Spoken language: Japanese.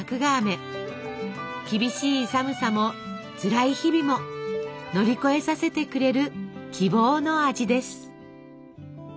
厳しい寒さもつらい日々も乗り越えさせてくれる希望の味です。